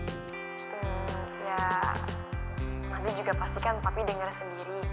lalu juga pastikan papi denger sendiri